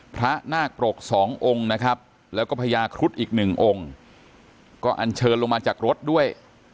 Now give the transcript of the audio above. นาคปรกสององค์นะครับแล้วก็พญาครุฑอีกหนึ่งองค์ก็อันเชิญลงมาจากรถด้วย